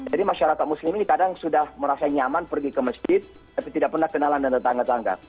jadi masyarakat muslim ini kadang sudah merasa nyaman pergi ke masjid tapi tidak pernah kenalan dengan tetangga tetangga